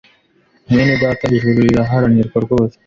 mwene data ijuru riraharanirwa rwose